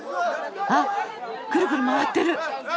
あっくるくる回ってる！